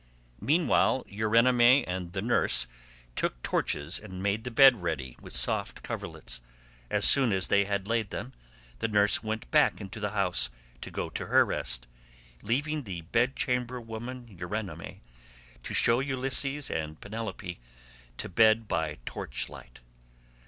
Meanwhile Eurynome and the nurse took torches and made the bed ready with soft coverlets; as soon as they had laid them, the nurse went back into the house to go to her rest, leaving the bed chamber woman Eurynome183 to show Ulysses and Penelope to bed by torch light.